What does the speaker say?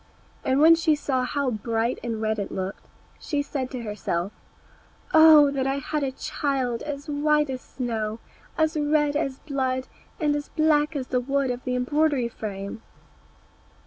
And when she saw how bright and red it looked, she said to herself, "Oh that I had a child as white as snow, as red as blood, and as black as the wood of the embroidery frame!"